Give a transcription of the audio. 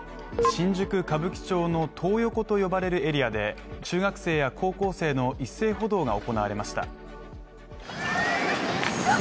新宿歌舞伎町のトー横と呼ばれるエリアで中学生や高校生の一斉補導が行われました。